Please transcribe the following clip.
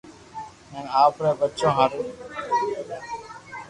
ھين آپري ٻچو ھارو